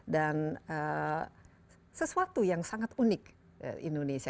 dan sesuatu yang sangat unik indonesia